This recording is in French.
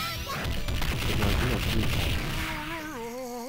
Comme un jeu un peu étrange.